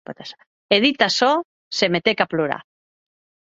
E dit açò, se metec a plorar.